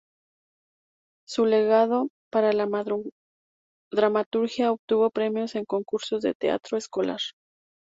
Su legado para la dramaturgia obtuvo premios en concursos de teatro escolar.